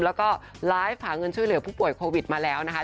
แล้วก็ไลฟ์หาเงินช่วยเหลือผู้ป่วยโควิดมาแล้วนะคะ